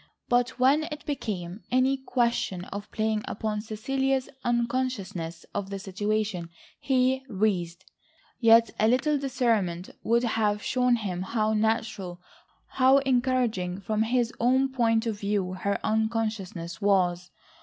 But when it became any question of playing upon Cecilia's unconsciousness of the situation, he writhed. Yet, a little discernment would have shown him how natural, how encouraging from his own point of view her unconsciousness was.